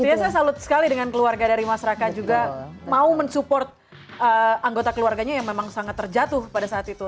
biasanya saya salut sekali dengan keluarga dari mas raka juga mau mensupport anggota keluarganya yang memang sangat terjatuh pada saat itu